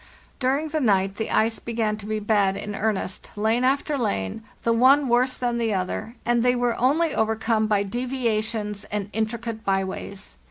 "During the night the ice began to be bad in earnest, lane after lane, the one worse than the other, and they were only overcome by deviations and intricate by ways.